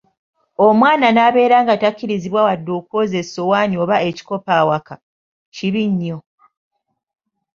Omwana nabeera nga takkirizibwa wadde okwoza essowaani oba ekikopo awaaka! kibi nyo.